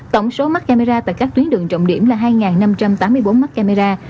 tổng số mắc camera tại các tuyến đường trọng điểm là hai năm trăm tám mươi bốn mắt camera